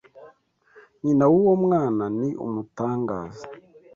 Nyina wuwo mwana ni umutangaza.